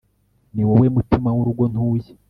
ni wowe mutima w' urugo ntuye